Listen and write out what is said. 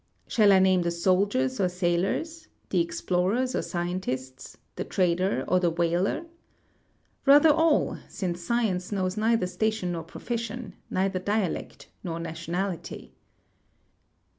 Shall I name the soldiers or sailors, the explorers or scientists, the trader or the whaler? Rather all, since science knows neither station nor profession, neither dialect nor nationality.